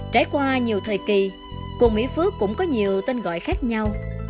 trải qua nhiều thời kỳ cồn mỹ phước cũng có nhiều tên gọi khác nhau